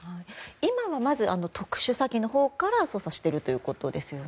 今はまず特殊詐欺のほうから捜査しているんですよね。